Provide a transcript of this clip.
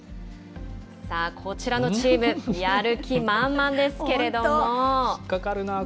さあ、こちらのチーム、やる気満々ですけれども。